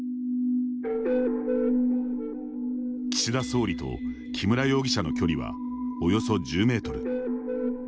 岸田総理と木村容疑者の距離はおよそ１０メートル。